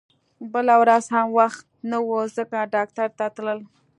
بله ورځ هم وخت نه و ځکه ډاکټر ته تلل